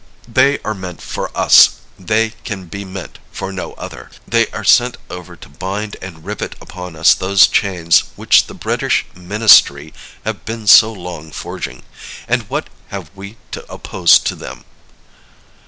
They are meant for us; they can be meant for no other. They are sent over to bind and rivet upon us those chains which the British ministry have been so long forging. And what have we to oppose to them?